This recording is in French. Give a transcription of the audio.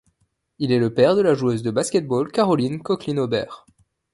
Il est le père de la joueuse de basket-ball Caroline Koechlin-Aubert.